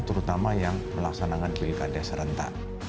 terutama yang melaksanakan pilkada serentak